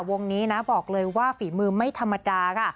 วงนี้นะบอกเลยว่าฝีมือไม่ธรรมดาค่ะ